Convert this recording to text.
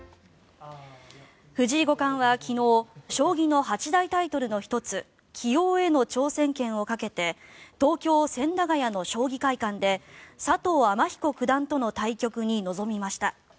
藤井五冠は昨日将棋の八大タイトルの１つ棋王への挑戦権をかけて東京・千駄ヶ谷の将棋会館で佐藤天彦九段との対局に臨みました。